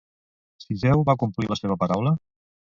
Cisseu va complir la seva paraula?